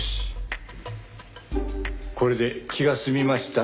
これで気が済みました？